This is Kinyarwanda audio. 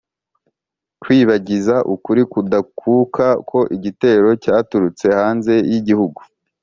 kwibagiza ukuri kudakuka ko igitero cyaturutse hanze y'igihugu.